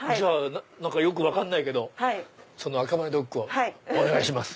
よく分かんないけど赤羽ドッグをお願いします。